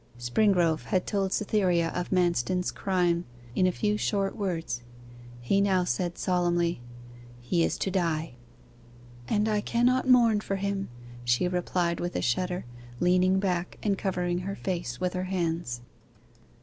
Springrove had told Cytherea of Manston's crime in a few short words. He now said solemnly, 'He is to die.' 'And I cannot mourn for him,' she replied with a shudder, leaning back and covering her face with her hands.